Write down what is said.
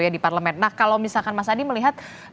di parlemen nah kalau misalkan mas adi melihat